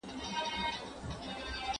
¬ له يوه لاسه ټک نه خېژي.